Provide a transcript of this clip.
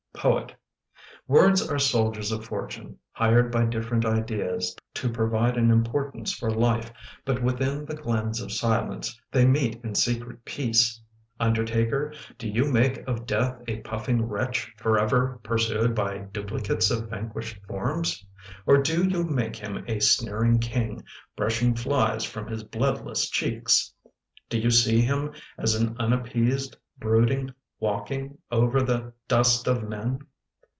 Poet Words are soldiers of fortune Hired by different ideas To provide an importance for life But within the glens of silence They meet in secret peace. ... Undertaker, do you make of death A puffing wretch forever pursued By duplicates of vanquished forms? Or do you make him a sneering King Brushing flies from his bloodless cheeks? Do you see him as an unappeased brooding Walking over the dust of men?